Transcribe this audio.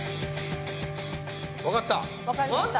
わかった！